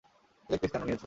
Leg piece কেন নিয়েছ?